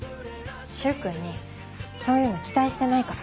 柊君にそういうの期待してないから。